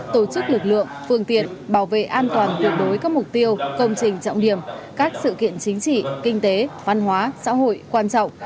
tổ chức lực lượng phương tiện bảo vệ an toàn tuyệt đối các mục tiêu công trình trọng điểm các sự kiện chính trị kinh tế văn hóa xã hội quan trọng